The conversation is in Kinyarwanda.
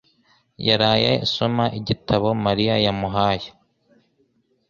yaraye asoma igitabo Mariya yamuhaye